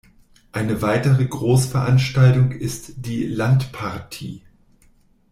Eine weitere Großveranstaltung ist die "Landpartie".